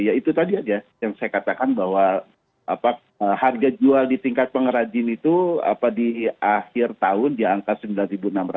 ya itu tadi aja yang saya katakan bahwa harga jual di tingkat pengrajin itu di akhir tahun di angka rp sembilan enam ratus